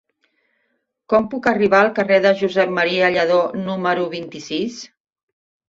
Com puc arribar al carrer de Josep M. Lladó número vint-i-sis?